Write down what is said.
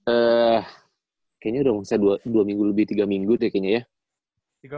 eh kayaknya udah usia dua minggu lebih tiga minggu tuh ya kayaknya ya